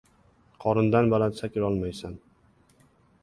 • Qorindan baland sakrolmaysan.